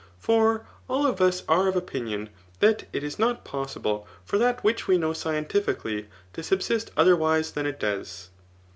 For all of us are of opinion that it is not possible for that which we know scientifically to sub^ otherwise than it does.